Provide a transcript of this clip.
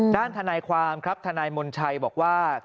ทนายความครับทนายมนชัยบอกว่า